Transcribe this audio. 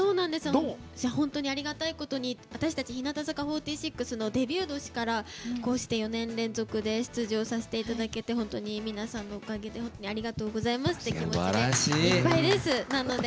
本当にありがたいことに私たち日向坂４６のデビュー年からこうして４年連続で出場させていただけて本当に皆さんのおかげでありがとうございますという気持ちで、いっぱいです。